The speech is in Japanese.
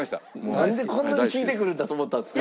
なんでこんなに聞いてくるんだと思ったんですか？